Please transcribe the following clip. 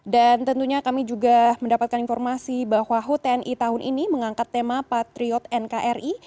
dan tentunya kami juga mendapatkan informasi bahwa tni tahun ini mengangkat tema patriot nkri